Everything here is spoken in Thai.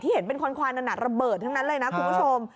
เห็นเป็นคอนควานนั้นระเบิดทั้งนั้นเลยนะคุณผู้ชม